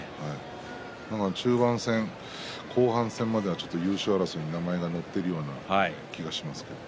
中盤戦、後半戦までは優勝争いに名前が載っているような気がします。